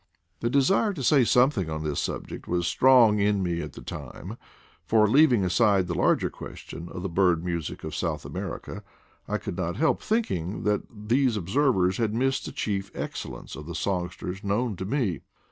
The desire to say something on this subject was strong in me at that time, for, leaving aside the larger question of the bird music of South Amer ica, I could not help thinking that these observers had missed the chief excellence of the songsters known to me.